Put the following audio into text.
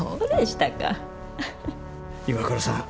岩倉さん